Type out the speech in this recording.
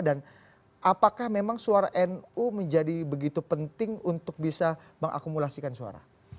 dan apakah memang suara nu menjadi begitu penting untuk bisa mengakumulasikan suara